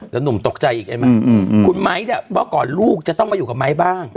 แล้วหนุ่มตกใจอีกได้ไหมคุณไม้เนี่ยเมื่อก่อนลูกจะต้องมาอยู่กับไม้บ้าง